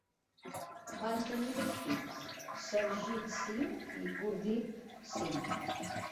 Van tenir dos fills, Sarjit Singh i Gurdip Singh.